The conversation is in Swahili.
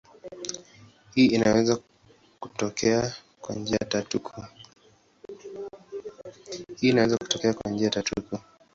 Hii inaweza kutokea kwa njia tatu kuu.